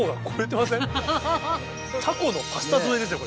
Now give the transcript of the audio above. タコのパスタ添えですよ